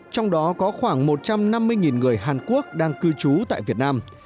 trong đó có khoảng một trăm năm mươi người hàn quốc đang cư trú tại việt nam